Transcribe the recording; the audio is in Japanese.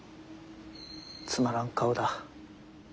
つまらん顔だ。